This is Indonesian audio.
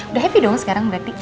udah happy dong sekarang berarti